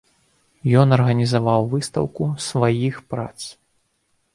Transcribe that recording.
Ён арганізаваў выстаўку сваіх прац.